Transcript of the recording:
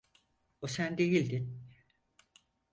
O sen değildin.